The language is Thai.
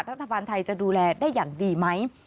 รัฐบาลไทยจะดูแลได้อย่างดีไหม